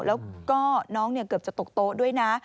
แล้วก็น้องเนี่ยเกือบจะตกโต้ด้วยนะ